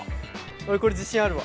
俺これ自信あるわ。